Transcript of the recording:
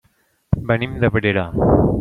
Venim d'Abrera.